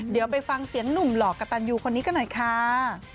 เดี๋ยวไปฟังเสียงหนุ่มหล่อกระตันยูคนนี้กันหน่อยค่ะ